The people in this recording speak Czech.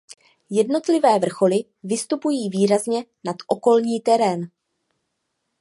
Jednotlivé vrcholy vystupují výrazně nad okolní terén.